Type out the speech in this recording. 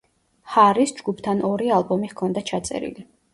ჰარისს ჯგუფთან ორი ალბომი ჰქონდა ჩაწერილი.